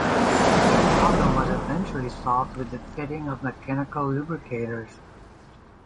The problem was eventually solved with the fitting of mechanical lubricators.